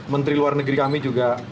menteri luar negeri kami juga